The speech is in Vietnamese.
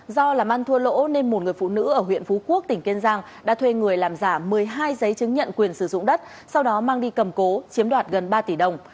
do làm ăn thua lỗ nên một người phụ nữ ở huyện phú quốc tỉnh kiên giang đã thuê người làm giả một mươi hai giấy chứng nhận quyền sử dụng đất sau đó mang đi cầm cố chiếm đoạt gần ba tỷ đồng